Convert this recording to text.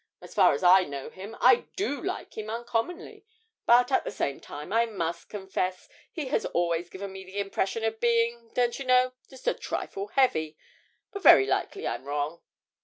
As far as I know him, I do like him uncommonly; but, at the same time, I must confess he has always given me the impression of being, don't you know, just a trifle heavy. But very likely I'm wrong.'